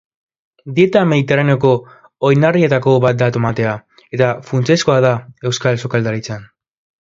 Dieta mediterraneoko oinarrietako bat da tomatea, eta funtsezkoa da euskal sukaldaritzan.